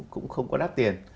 cũng không có đắt tiền